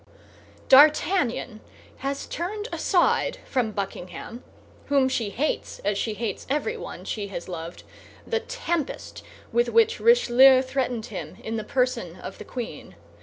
D'Artagnan has turned aside from Buckingham, whom she hates as she hates everyone she has loved, the tempest with which Richelieu threatened him in the person of the queen.